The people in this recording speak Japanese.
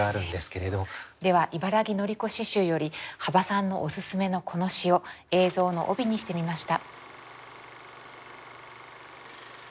では茨木のり子詩集より幅さんのオススメのこの詩を映像の帯にしてみました。